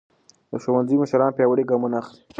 د ښوونځي مشران پیاوړي ګامونه اخلي.